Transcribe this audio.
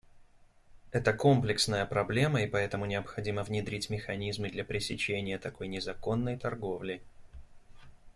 Это комплексная проблема, и поэтому необходимо внедрить механизмы для пресечения такой незаконной торговли.